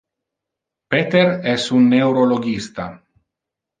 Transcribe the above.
Peter es un neurologista.